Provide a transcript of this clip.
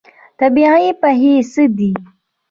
طبیعي پیښې څه دي؟